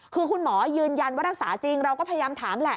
คือคุณหมอยืนยันว่ารักษาจริงเราก็พยายามถามแหละ